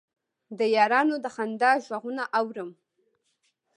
د یارانو د خندا غـږونه اورم